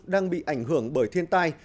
đang bị ảnh hưởng bởi thiên tai